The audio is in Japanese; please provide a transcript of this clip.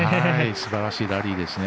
すばらしいラリーですね。